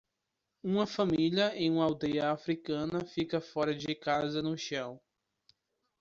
Uma família em uma aldeia africana fica fora de casa no chão.